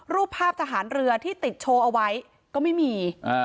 รูปภาพทหารเรือที่ติดโชว์เอาไว้ก็ไม่มี